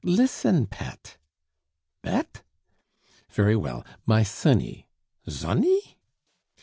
Listen, pet!" "Bet?" "Very well, my sonny " "Zonny?"